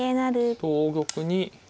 同玉に。